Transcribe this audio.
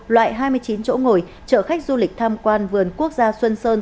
loại hai mươi chín chỗ ngồi chở khách du lịch tham quan vườn quốc gia xuân sơn